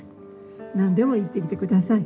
何でも言ってきて下さい。